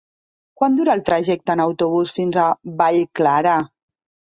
Quant dura el trajecte en autobús fins a Vallclara?